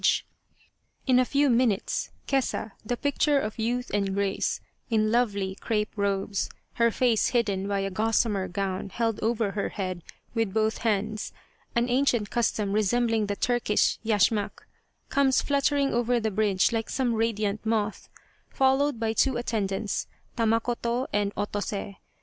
E 65 The Tragedy of Kesa Gozen In a few minutes Kesa, the picture of youth and grace, in lovely crepe robes, her face hidden by a gossamer gown held over her head with both hands (an ancient custom resembling the Turkish yashmak), comes fluttering over the bridge like some radiant moth, followed by two attendants, Tamakoto and Otose.